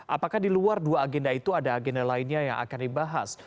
apakah di luar dua agenda itu ada agenda lainnya yang akan dibahas